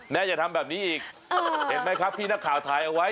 อย่าทำแบบนี้อีกเห็นไหมครับที่นักข่าวถ่ายเอาไว้